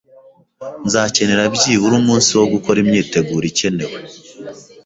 Nzakenera byibura umunsi wo gukora imyiteguro ikenewe